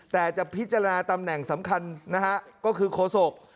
แต่จะพิจารณาตำแหน่งสำคัญนะฮะก็คือโคศก